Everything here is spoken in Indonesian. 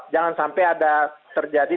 jangan sampai ada terjadi